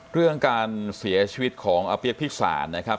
เรื่องการเสียชีวิตของอาเปี๊ยกภิกษานนะครับ